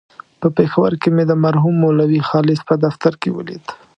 په پېښور کې مې د مرحوم مولوي خالص په دفتر کې ولید.